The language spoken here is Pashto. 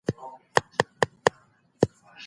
ایا واړه پلورونکي ممیز پروسس کوي؟